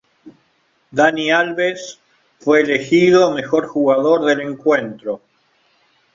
Dani Alves fue elegido mejor jugador del encuentro.